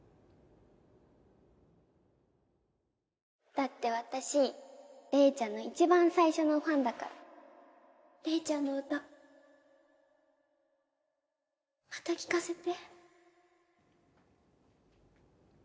だって私玲ちゃんの一番最初のファン玲ちゃんの歌また聴かせて